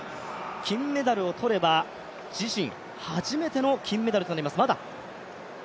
金メダルを取れば、自身初めての金メダルとなります。